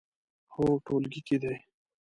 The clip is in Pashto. هو، ټولګي کې دی